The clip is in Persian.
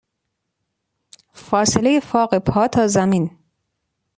فاصله فاق پا تا زمین.